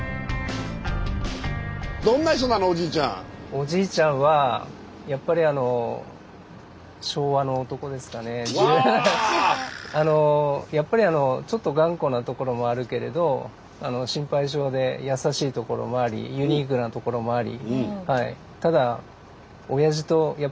おじいちゃんはやっぱりあのやっぱりちょっと頑固なところもあるけれど心配性で優しいところもありユニークなところもあり。